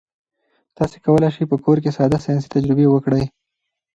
تاسي کولای شئ په کور کې ساده ساینسي تجربې وکړئ.